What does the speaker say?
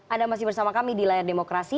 anda masih bersama kami di layar demokrasi